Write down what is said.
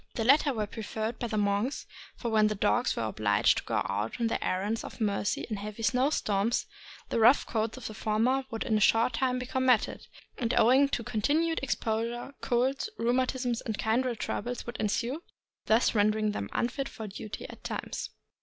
The latter were preferred by the monks, for when the dogs were obliged to go out on their errands of mercy in heavy snow storms, the rough coats of the former would in a short time become matted, and owing to continued exposure, colds, rheumatism, and kindred troubles would ensue, thus rendering them unfit for duty at times.